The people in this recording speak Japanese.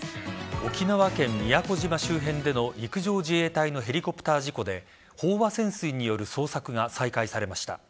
沖縄県宮古島周辺での陸上自衛隊のヘリコプター事故で飽和潜水による捜索が再開されました。